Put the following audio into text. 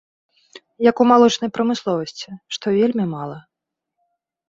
Як у малочнай прамысловасці, што вельмі мала.